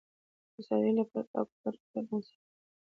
د څارویو لپاره پاک اوبه د روغتیا بنسټ دی.